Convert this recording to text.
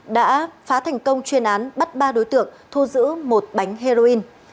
đã phá thành công chuyên án bắt ba đối tượng thu giữ một bánh heroin